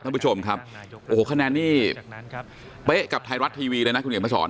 ท่านผู้ชมขนาดนี้เบ๊ะกับไทยรัฐทีวีเลยนะคุณเหงียวมาสอน